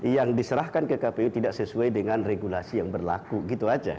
yang diserahkan ke kpu tidak sesuai dengan regulasi yang berlaku gitu aja